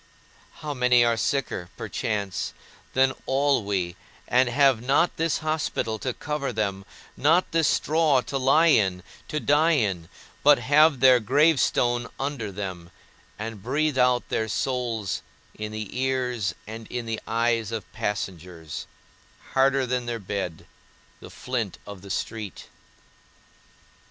How many are sicker (perchance) than all we, and have not this hospital to cover them, not this straw to lie in, to die in, but have their gravestone under them, and breathe out their souls in the ears and in the eyes of passengers, harder than their bed, the flint of the street?